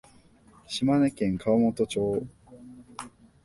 島根県川本町